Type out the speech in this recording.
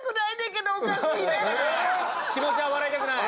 気持ちは笑いたくない。